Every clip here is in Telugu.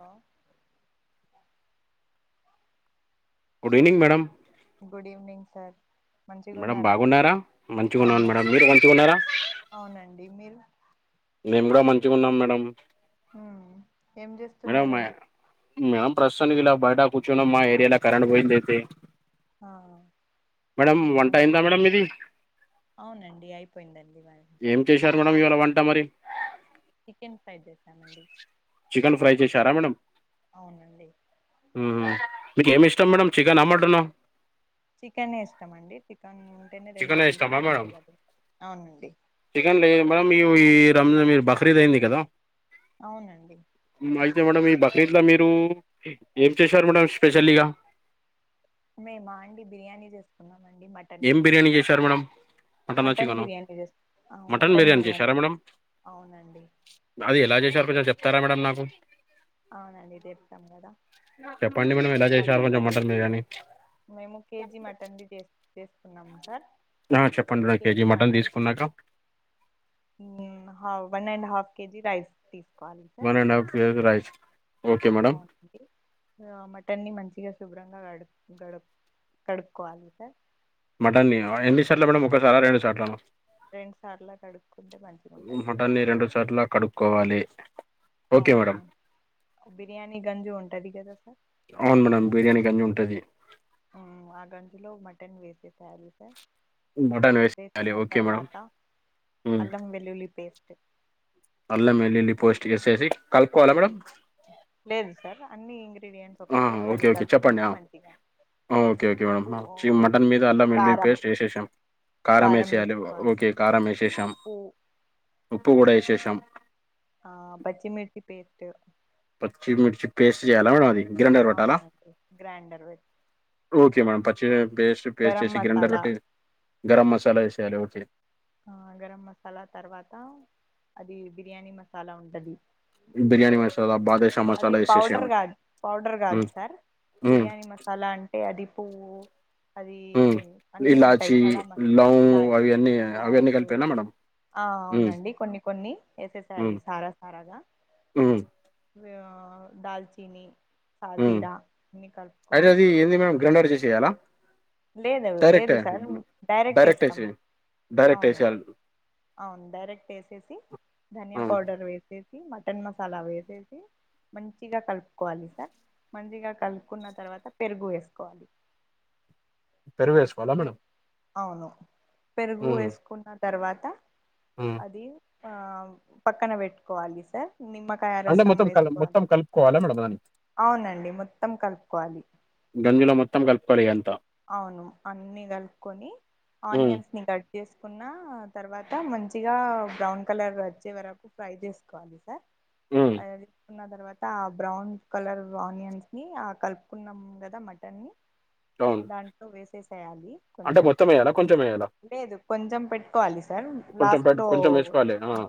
Hello good evening madam good evening sir మంచిగా మేడం ఉన్నారా బాగున్నారా మంచిగా ఉన్నాను మేడం అవునండి మీరు మంచిగా ఉన్నారా అవునండి మీరు మేము కూడా మంచిగా ఉన్నాం మేడం ఉమ్ మేడం మేడ ప్రస్తుతానికి ఇలా బయట కూర్చున్నాం మా ఏరియాలో కరెంట్ పోయింది అయితే ఆ మేడం వంట అవునా అయిందా మేడం మీది అవునండి అయిపోయిందండి మాది ఏం చేశారు మేడం ఇవాళ వంట మరి చికెన్ ఫ్రై చేశామండి చికెన్ ఫ్రై చేశారా మేడమ్ అవునండి మీకు ఏమి ఇష్టం మేడం చికెనా మటనా చికెనే ఇష్టమండి చికెన్ ఉంటేనే రెండు చికెన్ ఇష్టమా పీసులు మేడం మంచిగా అది అవునండి చికెన్ లేదు మేడం ఇవి ఈ రంజ మీరు బక్రీద్ అయింది కదా అవునండి అయితే మేడమ్ ఈ బక్రీద్లో మీరు ఏం చేశారు మేడం స్పెషల్లీగా మేమాండి బిర్యానీ చేసుకున్నాం అండి మ ఏం బిర్యానీ చేశారు మేడం మటనా మటన్ చికెనా బిర్యానీ చేసు ఆ మటన్ బిర్యానీ చేసారా మేడమ్ అవునండి అది ఎలా చేశారు కొంచెం చెప్తారా మేడం నాకు అవునండి చెప్తాం కదా చెప్పండి మేడం ఎలా మట్ చేసారు కొంచెం మటన్ బిర్యానీ మేము కేజీ మటన్ది చేసు చేసుకున్నాము సార్ ఆ చెప్పండి కేజీ మటన్ తీసుకున్నాక ఊ how one and half K G rice తీసుకోవాలి one and half K G rice okay madam ఔన్ ఆ మటన్ని మంచిగా శుభ్రంగా గడు గడు కడుక్కోవాలి సార్ మటన్ని ఆ ఎన్ని సార్లు మేడం ఒక్కసారా రెండు సార్లా మ రెండు సార్లా కడుక్కుంటే మంచిగుంటది టన్ ని రెండు సార్లా కడుక్కోవాలి ఓకే అవును మేడం బిర్యానీ గంజు ఉంటది గదా సా అవును మేడం బిర్యానీ గంజు ఉంటది ఊ ఆ గంజులో మటన్ వేసేసేయాలి సార్ మటన్ వేసేయాలి వేసిన ఓకే మేడం తర్వాత ఉమ్. అల్లం వెల్లుల్లి పేస్ట్ అల్లం ఎల్లులి పోస్ట్ ఏసేసి కలుపుకోవాలా మేడమ్ లేదు సార్ అన్నీ ఇంగ్రీడియంట్స్ ఆ, ఒకటేసారి ఓకే ఓకే చెప్పండి కలుపుకుంటే ఆ. మంచిగా ఓకే ఓకే మేడం [inaudible] ఉ- మటన్ మీద అల్లం ఎల్లి కారం పేస్ట్ ఏషేసాం కారం ఏసేయాలి ఓకే కారం ఏశేషాం ఉప్పు ఉప్పు కూడా ఏశేషాం ఆ పచ్చిమిర్చి పేస్ట్ పచ్చి మిర్చి పేస్ట్ చేయాలా మేడం అది గ్రైండర్ పట్టాలా అవునండి గ్రాండర్ వె ఓకే మేడం పచ్చి పేస్ట్ పేస్ట్ గరం చేసి మసాలా గ్రైండర్లోట్టి గరం మసాలా ఏసేయాలి ఓకే ఆ గరం మసాలా తర్వాత అది బిర్యానీ మసాలా ఉంటది బిర్యానీ మషాలా బాగేష్ అది పౌడర్ కాదు పౌడర్ కాదు హ్మ్. సార్ హ్మ్. బిర్యానీ మసాలా అంటే అది పువ్వు అది ఊ అన్నీ ఉంటాయి ఇలాచి కడా మ లవుంగ్ ఇలాచి అవి అన్నీ అవన్నీ లవంగు కలిపేనా మేడం ఆ హ్మ్. అవునండి కొన్ని కొన్ని ఏసేసేయాలి సారా సారాగా ఊ ఊ దాల్చీని ఊ సాజీరా అన్ని అయితే కలుపుకొని అది ఏంది మేడం గ్రైండర్ చేసి ఎయ్యాలా లేదు లేదు సార్ డైరెక్ట్ ఏస్తాం డైరెక్ట్ అవును ఏసేయాలి. అం డైరెక్ట్ ఏసేసి ఆ! ధనియా పౌడర్ వేసేసి మటన్ మసాలా వేసేసి మంచిగా కలుపుకోవాలి సార్ మంచిగా కలుపుకున్న తర్వాత పెరుగు వేసుకోవాలి పెరు వేస్ అవును పెరుగు వేసుకున్న తర్వాత ఊ అది ఆ పక్కన పెట్టుకోవాలి సార్ నిమ్మకాయ అంటే రసం మొత్తం కల్ ఏసుకోవాలి మొత్తం కలుపుకోవాలా మేడం దాన్ని? అవునండి మొత్తం కలుపుకోవాలి గంజిలో మొత్తం కలుపుకోవాలి ఇగ అంతా అవును అన్నీ కలుపుకొని హ్మ్. ఆనియన్స్ ని కట్ చేసుకున్న తర్వాత మంచిగా బ్రౌన్ కలర్ వచ్చే వరకు ఫ్రై చేసుకోవాలి సార్ హ్మ్. అది కున్న తర్వాత ఆ బ్రౌన్ కలర్ ఆనియన్స్ ని ఆ కలుపుకున్నాం గదా మటన్ ని అవును. దాంట్లో వేసేసేయాలి కొం అంటే మొత్తం ఎయ్యాలా కొంచెం ఎయ్యాలా లేదు కొంచెం పెట్టుకోవాలి సార్ కొంచెం లాస్ట్ పెట్ లో కొంచెం ఏసుకోవాలి. ఆ! ఊ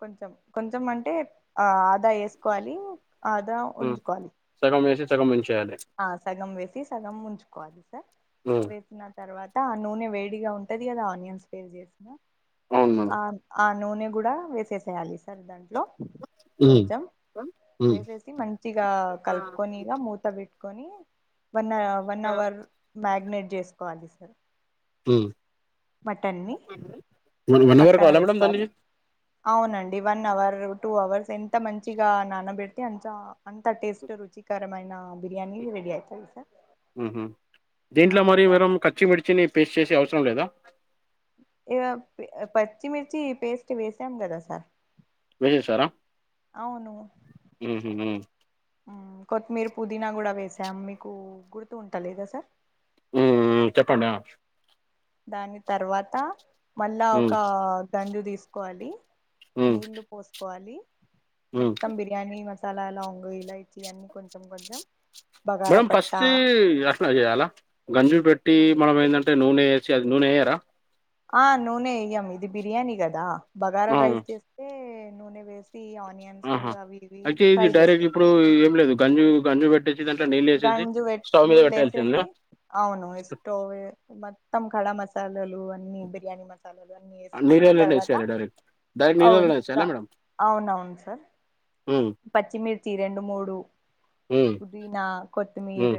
కొంచెం కొంచెం అంటే ఆ ఆదా ఏసుకోవాలి ఆదా హ్మ్ ఉంచుకోవాలి సగం వేసి సగం ఉంచేయాలి ఆ సగం వేసి సగం ఉంచుకోవాలి సార్ హ్మ్ వేసిన తర్వాత ఆ నూనె వేడిగా ఉంటది కదా ఆనియన్స్ ఫ్రై చేసినా అవును ఆ ఆ నూనె కూడా వేసేసేయాలి సార్ దాంట్లో హ్మ్ కొంచెం ఆ! హ్మ్ వేసేసి మంచిగా కలుపుకొని మూత బెట్ కని వన్ వన్ అవర్ మ్యాగినేట్ చేసుకోవాలి సార్ హ్మ్ మటన్ ని వన్ అవర్ పక్కన కావాల మేడమ్ దాన్ని పెట్టుకోవాలి అవునండి వన్ అవర్ టూ అవర్స్ ఎంత మంచిగా నానబెడితే అంతా అంత టేస్ట్ రుచికరమైన బిర్యానీ రెడీ అవుతుంది సార్ ఊహూ ఆ దీంట్లో మరి దా మనం ఖర్చ్చిమిర్చిని పేస్ట్ చేసి అవసరం లేదా ఇక పచ్చిమిర్చి పేస్ట్ వేసాం కదా సార్ వేసేసారా అవును ఊహూ హ్మ్ హ్మ్ కొత్తిమీర పుదీనా కూడా వేసాం మీకు గుర్తు ఉంట లేదా సార్ హ్మ్ మ్మ్ చెప్పండి ఆ దాని తర్వాత మళ్ళా హ్మ్ ఒక గంజు తీసుకోవాలి హ్మ్ నీళ్లు పోసుకోవాలి హ్మ్ మొత్తం బిరి ర్యానీ మసాలాలో లవంగు ఇలాచి అన్నీ కొంచెం కొంచెం బగారా మేమ్ ఫస్ట్ పత్తా అ చేయాలా గంజు పెట్టి మనం ఏంటంటే నూనె వేసి అది నూనె ఏయ్యారా ఆ నూనె వేయ్యాం ఇది బిర్యానీ కదా బగారా ఆ రైస్ చేస్తే నూనె వేస్ సీ ఆనియన్స్ ఆహా అవి ఇవి అయితే ఇది ఫ్రై డైరెక్ట్ ఇప్పుడు చేసుకుంటాం ఏం లేదు గంజు గంజు పెట్టేసి దాంట్లో నీళ్ళు వేసేసి గంజు పెట్ స్టవ్ మీద నీళ్ళు పెట్టాల్సిందేన వేసేసి అవును ఎష్టోవె మోత్తం కడా మసాలాలు అన్ని బిర్యానీ మ లన్నీ వేసుకున్న నీళ్ళల్లోనే తర్వాత ఏసేయాలి డైరెక్ట్ డైరెక్ట్ అవును నీళ్ళల్లోనే ఏసేయాలా మేడం అవునవును సార్ హ్మ్ పచ్చిమిర్చి రెండు మూడు హ్మ్. పుదీనా కొత్తిమీర హ్మ్.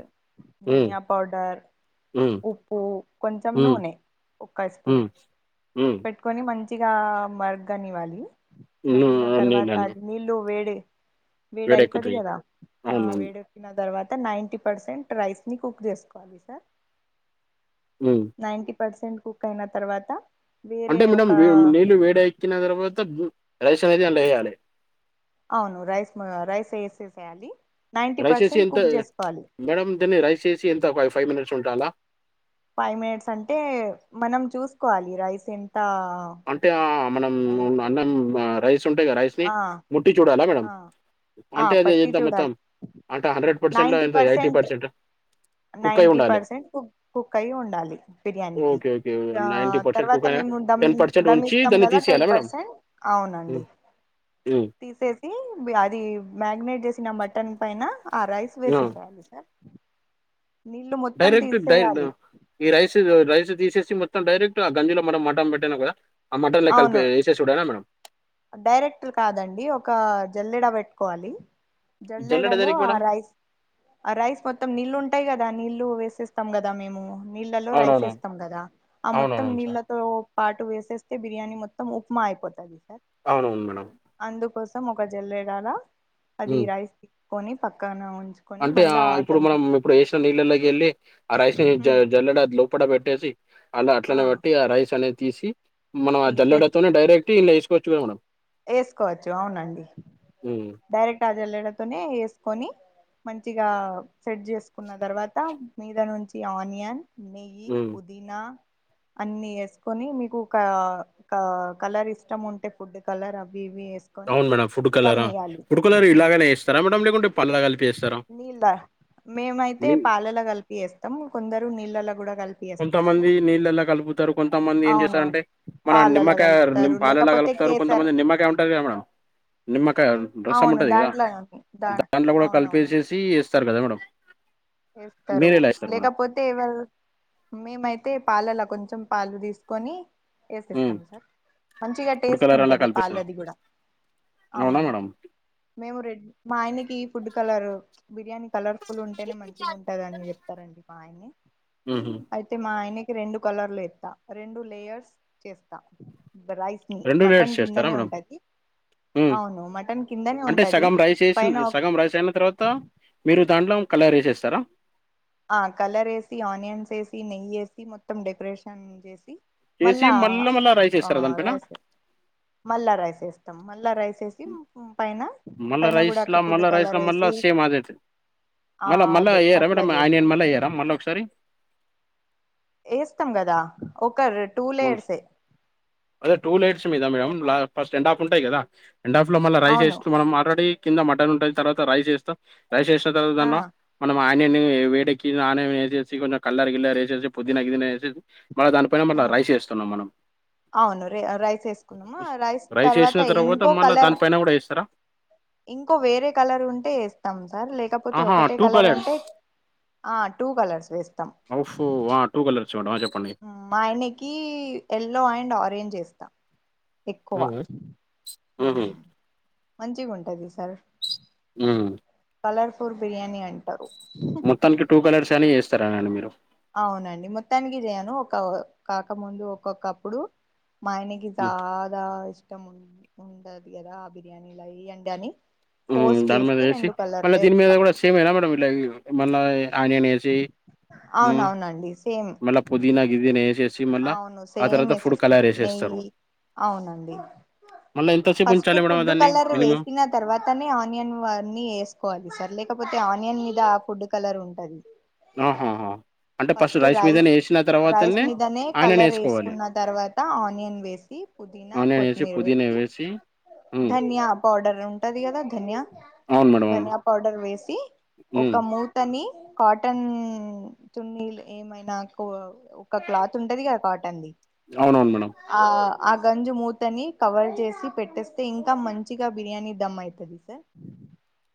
హ్మ్. ధనియా పౌడర్ హ్మ్. ఉప్పు కొంచెం హ్మ్. నూనె ఒక హ్మ్. స్పూన్ హ్మ్ కొని మంచిగా మగ్గనివ్వాలి మగ్గిన తర్వాత నీళ్ళని అది నీళ్లు వేడి వేడి అయితది వేడెక్కుతాయి. కదా ఆ అవునవును. వేడి న తర్వాత నైంటీ పర్సెంట్ రైస్ ని కుక్ చేసుకోవాలి సార్ హ్మ్ నైన్టి పర్సెంట్ కుక్ అయిన తర్వాత వేరే అంటే మేడం ఒక నీళ్లు వేడి ఎక్కిన తర్వాత రైస్ అనేది అంద్లో వేయాలి అవును రైస్ రైస్ వేసేసేయాలి నైన్టీ రైస్ ఎసి పర్సెంట్ ఎంత కుక్ చేసుకోవాలి మేడం దీన్ని రైస్ చేసి ఎంత ఫై ఫైవ్ మినిట్స్ ఉంటాలా ఫైవ్ మినిట్స్ అంటే మనం చూసుకోవాలి రైస్ ఎంత అంటే ఆ మనం అయిందో అన్నం రైస్ ఉంటా కదా రైస్ ని ఆ ముట్టి చూడాలా మేడం ఆ ఆ అంటే అది పట్టి ఎంత మొత్తం చూడాలి అంటే హండ్రెడ్ పర్సెంట్ంత eighty percent ninety percent cook cook అయి ఉండాలి బిర్యానీకి ఓకే. ఓకే. తర్వాత కుక్ అయిన మేము దమ్ ఉంచి దమిస్తాం దాన్ని కదా తీసేయాలా టెన్ మేడం? పర్సెంట్ అవునండి హ్మ్. హ్మ్ తీసేసి అది మ్యారినేట్ చేసిన మటన్ పైన ఆ రైస్ ఆ! వేసేసేయాలి సార్ నీళ్లు మొత్తం డైరెక్ట్ డైర్ను తీసేయాలి ఈ రైస్ రైస్ తీసేసి మొత్తం డైరెక్ట్ ఆ గంజిలో మనం మటన్ పెట్టినా కూడా ఆ మటన్ లో అవును కలిపే ఎస్ టెస్ చూడన మేడం డైరెక్ట్ కాదండి ఒక జల్లిడా పెట్టుకోవాలి జల్లెడ జల్లెడలో దేనికి ఆ మేడం రైస్ ఆ రైస్ మొత్తం నీళ్ళు ఉంటాయి కదా నీళ్ళు వేసేస్తాం కదా మేము నీళ్ళలో రైస్ అవునవును యేస్తాం కదా ఆ మొత్తం అవునవును సార్ నీళ్ళతో పాటు వేసేస్తే బిర్యానీ మొత్తం ఉప్మా అయిపోతది సార్ అవునవును మేడమ్ అందుకోసం ఒక జల్లెడల అది ఉమ్. రైస్ తికొని పక్కన ఉంచు అంటే ఆ ఇప్పుడు మనం ఇప్పుడు వేసిన నీళ్ళలోకి వెళ్ళి ఆ రైస్ ని జ ఉమ్, జల్లెడ లోపడ పెట్టేసి అలా అట్నే బట్టి ఆ రైస్ అనేది తీసి మనం ఆ తీసేసి జల్లడతోనే డైరెక్ట్ ఇలా ఏసిపెట్టుడే మనం వేసుకోవచ్చు అవునండి ఉమ్, డైరెక్ట్ ఆ జల్లెడతోనే వేసుకొని మంచిగా సెట్ చేసుకున్న తర్వాత మీద నుంచి ఆనియన్ నెయ్యి ఉమ్. ఉ దీనా అన్ని వేసుకొని మీకు క క కలర్ ఇష్టం ఉంటే ఫుడ్ కలర్ అవి ఇవి ఏస్ అవును మేడం ఫుడ్ కలరా ఫుడ్ కలర్ ఉమ్. ఇలానే ఏస్తారా మేడం లేకుంటే పళ కలిపేస్తారా నీళ్ళ మేమైతే పాలల కలిపి ఏస్తాం కొందరు నీళ్ళలో కూడా కలిపి కొంత వేస్తాం మంది సార్ నీళ్ళళ కల్బు తారు కొంతమంది ఏం అవునవును చేస్తారంటే మన పాలలో నిమ్మకాయా కలుపుతారు పాలలా లేకపోతే కలుపుతారు కేసర్ కొంతమంది నిమ్మకాయ ఉంటది కదా మేడం నిమ్మకాయ రసం అవును ఉంటది కదా దాంట్లోనే దా దాంట్ల కూడా అవునవును కలిపేసేసి ఏస్తారు కదా మేడం ఏస్తారు మీరెలా ఏస్తారు మేడం? లేకపోతే తేవల్ మేమైతే పాలలా కొంచెం పాలు తీసుకొని హ్మ్ యేసేస్తాం సార్ మంచిగా ఫుడ్ టేస్ట్ కలర్ అలా ఉంటది కలిపేస్తారు పాలది కూడా అవునా అవును మేడం మేము రెడ్ మా ఆయనకి ఫుడ్ కలర్ బిర్యానీ కలర్ఫుల్ ఉంటేనే మంచ్ అంటదాని చెప్తారండి మాయన్ని హుహు. అయితే మా ఆయనకి రెండు కలర్లు ఎత రెండు లేయర్స్ చేస్తా బ్రైస్ ఉ లేయర్స్ మటన్ చేస్తారా కిందనే మేడం? ఉంటది హ్మ్. అవును మటన్ కిందనే అంటే ఉంటది సగం రైస్ ఏసిన్ పైన ఒక్ సగం రైస్ అయిన తర్వాత మీరు దాంట్లో కలర్ ఎసేస్తారా ఆ కలర్ ఏసి ఆనియన్స్ ఏసి నెయ్యి ఏసి మొత్తం డెకరేషన్ చేసి ఏసి మళ్ళా ఆ మళ్ళా రైస్ ఆ ఏస్తారా దానిపైన? రైస్ ఏ మళ్ల రైస్ వేస్తాం మల్ల రైస్ వేసి పైన మళ్ళా పైన కూడా అక్క రైస్‌లా ఫుడ్ మళ్ళా రైస్‌లా మళ్ళా కలరేసి సేమ్ అదే ఆ మళ్ళా మళ్ళా అదే ఏయరా అట్లా మేడం చేస్తాం ఆనియన్ మళ్ళా ఏయరా మళ్ళా ఒకసారి? వేస్తాం కదా ఒక రెడ్ మన్ అదే టూ లైట్స్ మీద మేడం లా ఫస్ట్ ఎండ్ హాఫ్ ఉంటాయి కదా ఎండ్ ఆఫ్ లో మళ్ళీ రైస్ అవును వేస్త మనం ఆల్రెడీ కింద మటన్ ఉంటది తర్వాత రైస్ వేస్తం రైస్ వేసిన తర్వాత ఆ అన్న మనం ఆయని వేడెకి ఆన వేసేసి కొంచం కలర్ గిలర్ వేసేసి పుదీన గిదీన వేసేసి మళ దాని పైన మళ్ల ఆ రైస్ వేస్తున్నాం మనం అవును రే రైస్ వేసుకున్నాము రైస్ వేసిన తర్వాత ఇంకో మళ్ళ కలర్ దాని పైన కూడా వేస్తారా ఇంకో వేరే కలర్ ఉంటే యేస్తాం సార్ లేకపోతే ఆహా ఒకటే టూ కలర్ కలర్స్ అంటె ఆ టూ కలర్స్ వేస్తాం ఓఫో వాట్ టూ కలర్స్ ఇవ్వ ఆ చెప్పండి ఆ మాయనకి ఎల్లో అండ్ ఆరెంజ్ ఏస్తా ఎక్కువ మ్మ్. ఊ మ్మ్. మంచిగుంటది సర్ ఉమ్ కలర్ఫుల్ బిర్యానీ అంటారు హ్ మొత్తానికి టూ కలర్స్ అని ఏస్తారానండి మీరు అవునండి మొత్తానికి జేయను ఒక కాకముందు ఒక్కొక్కప్పుడు మాయని ఇ మ్మ్. జాదా ఇష్టం ఉన్ ఉండద్ గదా ఆ బిర్యానీల అయ్ ఇయ్యాండని ఫోర్స్ చేస్తే రెండు కలర్ల్ ఏస్తాం టే మేడం ఇట్ల ఇట్ల ఇయ్ మళ్ళ ఆనియన్ ఏసి ఉం అవునవునండి సేమ్ మళ్ళప్ పుదీనా గిదీన ఏసెస్ అవును సేమ్ ఏసేస్తాం వేసేస్తారు నెయ్యి అవునండి మళ్ళీ ఎంతసేపు ఫస్ట్ ఉంచాలి మేడం ఫుడ్డు దాన్ని కలర్ మినిమం వేసిన తర్వాతనే ఆనియన్ వాన్ని ఏసుకోవాలి సార్ లేకపోతే ఆనియన్ మీద ఆ ఫుడ్ కలర్ ఉంటది ఆహాహా అంటే పస్ట్ రైస్ మీదనే ఏసిన రైస్ తర్వాతనే మీదనే ఆనియన్ కలర్ వేసుకోవాలి ఏసుకున్న తర్వాత ఆనియన్ వేసి పుదీనా కొత్తిమీర్ వేసి ఉమ్ ధనియా పౌడర్ ఉంటది గదా ధన్య అవును మేడం అవును ధనియా పౌడర్ వేసి ఉమ్ ఒకమ్ మూతని కాటన్ చున్నీల్ ఏమైనా కో ఒక క్లాత్ తుంటది గా కాటన్ ది అవునవున్ మేడం ఆ ఆ గంజీ మూతని కవర్ చేసి పెట్టేస్తే ఇంకా మంచిగా బిర్యానీ దమ్ అయితాది తె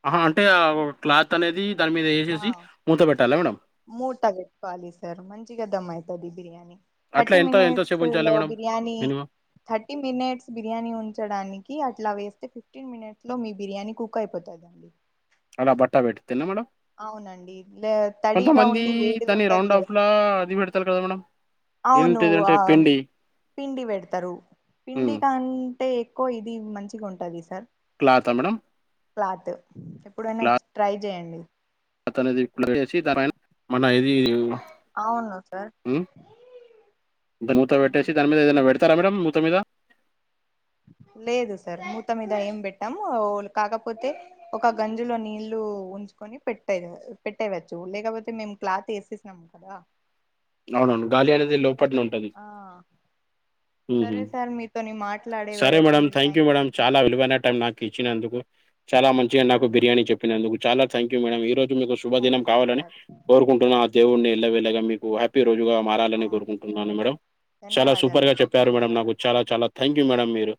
అహా అంటే ఆ ఒ క్లాత్ అనేది దాని మీద ఏసేసి మూత పెట్టాలా మేడమ్ మూటా వెట్టుకోవాలి సార్ మంచిగా దమ్ అయితది బిర్యానీ అట్లా థర్టీ ఎంత మినిట్స్ ఎంతసేపు ఉంచాలి లో madam biryani minimum thirty minutes biryani ఉంచడానికి అట్లా వేస్తే ఫిఫ్టీన్ మినిట్స్ లో మీ బిర్యానీ కుక్ క్ అయిపోతాదండి ఆడ బట్టా వేడ్తేన మేడమ్ అవునండి లే తడిగా కొంతమంది ఉండి వేడిగా దాన్ని ఉంటది రౌండ్ కదా ఆఫ్లా అది పెడతారు కదా మేడమ్ అవును ఆ పిండి వెడతారు పిండి ఉమ్ కాన్ టే ఎక్కువ ఇది మంచిగ్ ఉంటది సార్ క్లాతమేడం క్లాత్ ఎప్పుడైనా ట్రై జేయండి అతనిది వేసి పైన మన ఇది అవును సార్ ఉమ్ ద మూత వెట్టేశి దాని మీదైనా వెడతారా మేడమ్ మూత మీద లేదు సార్ మూత మీద ఏం పెట్టమ్ ఓన్ కాకపోతే ఒక గంజిలో నీళ్లు ఉంచుకొని పెట్టే పెట్టేయవచ్చు లేకపోతే మేమ్ క్లాత్ ఏసేసిన అం కదా అవునవును గాలి అనేది లోపట్ నున్ ఆ సరే సార్ మీతోని మాట్లాడే సరే వరకు మీ టైం ఇచ్చిన వరకు కిచ్చినందుకు చాలా మంచిగా నాకు నందుకు బిర్యానీ చెప్పినందుకు చాలా థ్యాంక్ యూ మేడం ఈ రోజు మీకు ష్ శుభదినం థ్యాంక్ యూ కావాలని సార్ కోరుకుంటున్నా ఆ దేవుడిని ఎళ్ళ వెళ్ళగా మీకు హ్యాప్ పి రోజుగా మారాలని అవును కోరుకుంటున్నాను సార్ మేడం చాలా సూపర్ ధన్యవాదాలు గా సార్ చెప్పారు మేడం నాకు ధన్యవాదాలు చాలా చాలా థ్యాంక్ యూ మేడం మీరు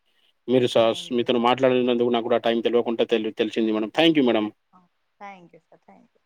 మీరు సాస్ థ్యాంక్ యూ మీతోను సార్ థ్యాంక్ యూ మాట్లాడనందుకు నాక్కూడా టైం తెలియకుండా తెలి తెసింది madam thank you madam thank you sir thank you